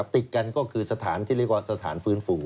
ติดกันก็คือสถานที่เรียกว่าสถานฟื้นฟู